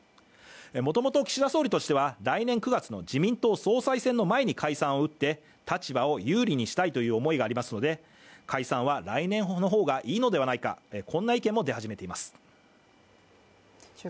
もともと岸田総理としては来年９月の自民党総裁選の前に解散を打って、立場を有利にしたいという思いがありますので、解散は来年の方がいいのではないか、こんな意見も出始めています。